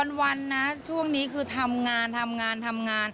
มีหวานนะช่วงนี้คือทำงานทำงาน